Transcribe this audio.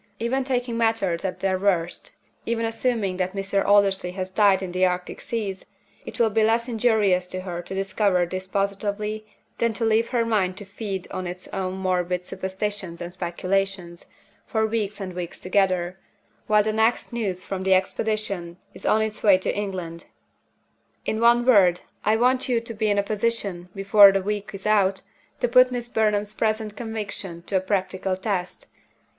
Even taking matters at their worst even assuming that Mr. Aldersley has died in the Arctic seas it will be less injurious to her to discover this positively, than to leave her mind to feed on its own morbid superstitions and speculations, for weeks and weeks together, while the next news from the Expedition is on its way to England. In one word, I want you to be in a position, before the week is out, to put Miss Burnham's present conviction to a practical test.